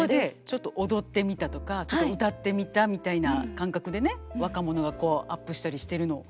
「ちょっと踊ってみた」とか「ちょっと歌ってみた」みたいな感覚でね若者がこうアップしたりしてるのを。